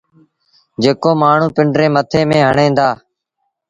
جيڪو مآڻهوٚٚݩ پنڊري مٿي ميݩ هڻين دآ